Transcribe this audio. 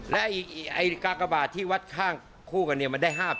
และอีกกากบาทที่วัดข้างคู่กันเนี่ยมันได้๕๐๐